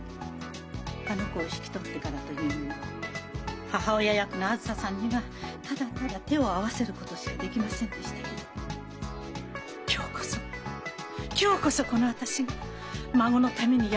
あの子を引き取ってからというもの母親役のあづささんにはただただ手を合わせることしかできませんでしたけど今日こそ今日こそこの私が孫のために役に立つ時が来たんです。